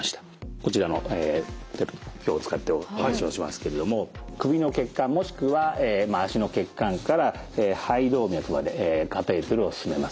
こちらの表を使ってお話をしますけれども首の血管もしくは脚の血管から肺動脈までカテーテルを進めます。